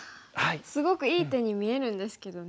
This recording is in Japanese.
すごくいい手に見えるんですけどね。